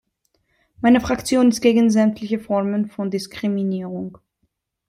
Meine Fraktion ist gegen sämtliche Formen von Diskriminierung.